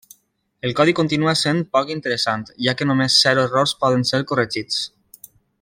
El codi continua sent poc interessant, ja que només zero errors poden ser corregits.